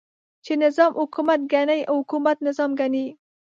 چې نظام حکومت ګڼي او حکومت نظام ګڼي.